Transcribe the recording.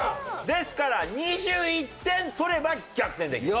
ですから２１点取れば逆転できる。